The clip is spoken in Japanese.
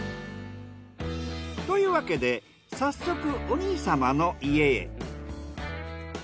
というわけで早速お兄様の家へ。